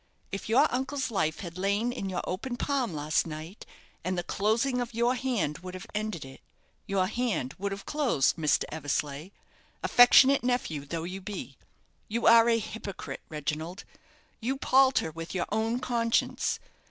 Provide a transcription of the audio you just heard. If your uncle's life had lain in your open palm last night, and the closing of your hand would have ended it, your hand would have closed, Mr. Eversleigh, affectionate nephew though you be. You are a hypocrite, Reginald. You palter with your own conscience.